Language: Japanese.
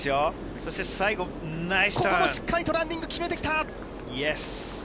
そして最後、ここもしっかりとランディンイエス。